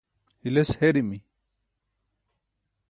hiles herimi